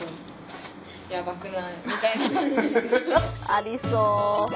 ありそう。